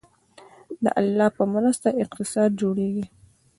د الله په مرسته اقتصاد جوړیږي